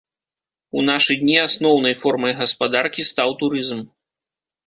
У нашы дні асноўнай формай гаспадаркі стаў турызм.